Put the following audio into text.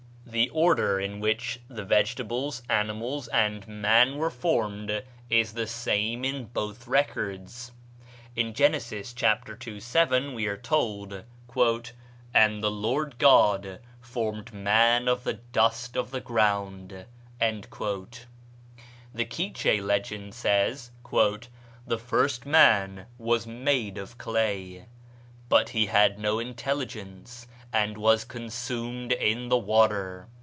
'" The order in which the vegetables, animals, and man were formed is the same in both records. In Genesis (chap. ii., 7) we are told, "And the Lord God formed man of the dust of the ground." The Quiche legend says. "The first man was made of clay; but he had no intelligence, and was consumed in the water."